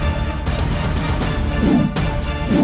hanya sebagai satu